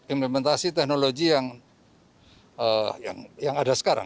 implementasi teknologi yang ada sekarang